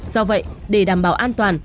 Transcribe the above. do vậy để đảm bảo an toàn